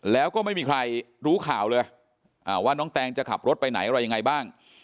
แล้วก็ไม่มีใครรู้ข่าวเลยว่าน้องแตงจะขับรถไปไหนอะไรยังไงบ้าง